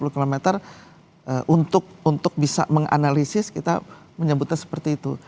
sepuluh km untuk bisa menganalisis kita menyebutnya seperti itu